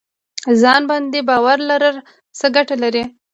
ځان باندې باور لرل څه ګټه لري؟